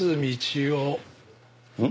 うん？